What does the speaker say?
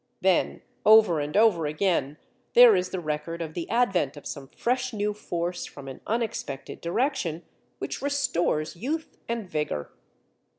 Then over and over again, there is the record of the advent of some fresh new force from an unexpected direction which restores youth and vigor.